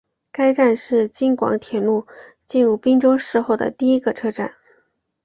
该站是京广铁路进入郴州市后的第一个车站。